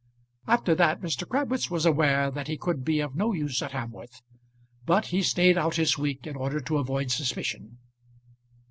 After that Mr. Crabwitz was aware that he could be of no use at Hamworth, but he stayed out his week in order to avoid suspicion.